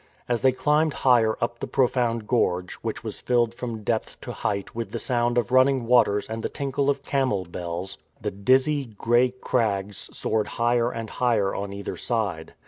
[As they climbed higher up the profound gorge, which was filled from depth to height with the sound of run ning waters and the tinkle of camel bells, the dizzy, grey crags soared higher and higher on either side.